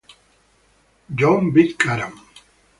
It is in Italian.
Yoon Bit-garam